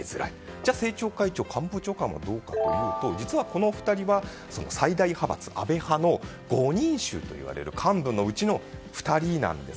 じゃあ、政調会長、官房長官はどうかというとこの２人は、最大派閥・安倍派の５人衆といわれる幹部のうちの２人なんです。